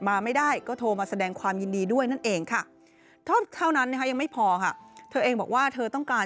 มาไม่ได้ก็โทรมาแสดงความยินดีด้วยนั่นเองถ้านั้นยังไม่พอเขาแบบว่าเธอต้องการ